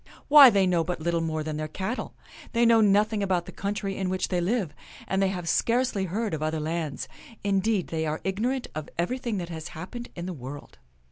Why, they know but little more than their cattle. They know nothing about the coun try in which they live ; and they have scarcely heard of other lands. Indeed, they are ignorant of everything that has happened in the world."